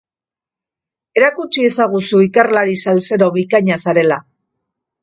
Erakuts iezaguzu ikerlari saltsero bikaina zarela!